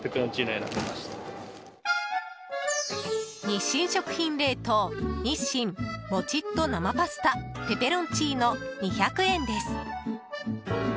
日清食品冷凍日清もちっと生パスタペペロンチーノ、２００円です。